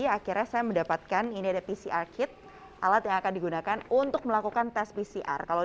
akhirnya saya mendapatkan ini ada pcr kit alat yang akan digunakan untuk melakukan tes pcr kalau